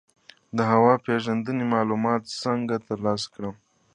د هوا پیژندنې معلومات څنګه ترلاسه کړم؟